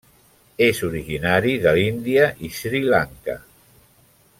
És originari de l'Índia i Sri Lanka.